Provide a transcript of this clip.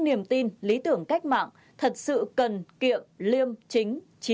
niềm tin lý tưởng cách mạng thật sự cần kiện liêm chính